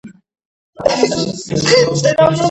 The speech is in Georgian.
მეცხვარეები გაშლილ ველზე დაბანაკდნენ.